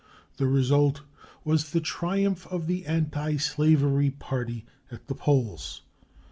The result was the triumph of the antislavery party at the polls.